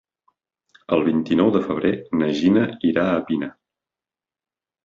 El vint-i-nou de febrer na Gina irà a Pina.